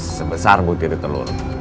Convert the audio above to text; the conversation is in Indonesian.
sebesar butir telur